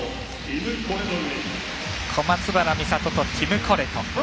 小松原美里とティム・コレト。